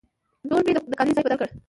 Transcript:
نن مې د کور د کالي ځای بدل کړ.